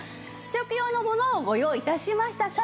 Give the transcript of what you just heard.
試食用のものをご用意致しました。